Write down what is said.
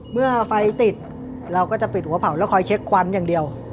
เมื่อไฟติดเราก็จะปิดหัวเผาแล้วคอยเช็คควันอย่างเดียว